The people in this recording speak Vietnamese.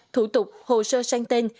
thủ tục hồ sơ sang tên